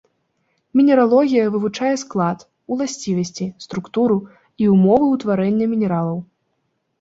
Мінералогія вывучае склад, уласцівасці, структуру і ўмовы ўтварэння мінералаў.